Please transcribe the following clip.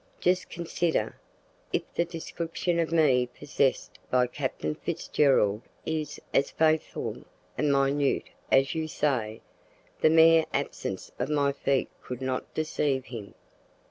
Just consider. If the description of me possessed by Captain Fitzgerald is as faithful and minute as you say, the mere absence of my feet could not deceive him.